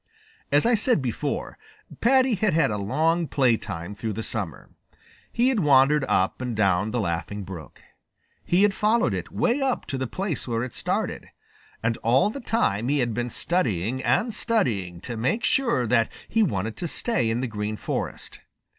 As I said before, Paddy had had a long playtime through the summer. He had wandered up and down the Laughing Brook. He had followed it way up to the place where it started. And all the time he had been studying and studying to make sure that he wanted to stay in the Green Forest.